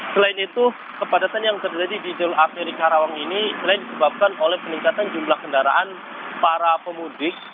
selain itu kepadatan yang terjadi di jalur arteri karawang ini selain disebabkan oleh peningkatan jumlah kendaraan para pemudik